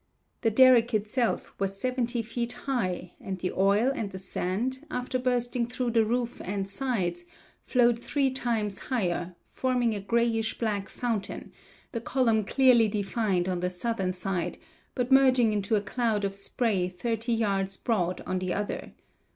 The derrick itself was 70 feet high and the oil and the sand, after bursting through the roof and sides, flowed three times higher, forming a grayish black fountain, the column clearly defined on the southern side, but merging into a cloud of spray thirty yards broad on the other.